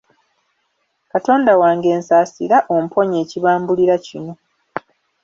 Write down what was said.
Katonda wange nsaasira omponye ekibambulira kino.